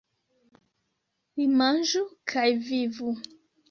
Li manĝu kaj vivu!